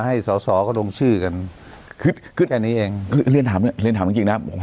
ให้สอสอก็ดงชื่อกันแค่นี้เองเรียนถามเรียนถามจริงจริงนะครับ